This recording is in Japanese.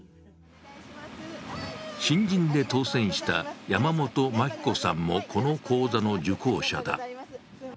新人で当選した山本麻貴子さんもこの講座の受講者だ。